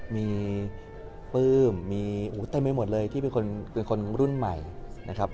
มีปื้มมีโอ้วแต่ไม่หมดเลยที่เป็นคนรุ่นใหม่นะครับ